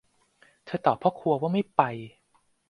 เธอตอบว่าพ่อครัวไม่ไป